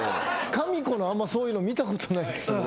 かみ子のあんまそういうの見たことない。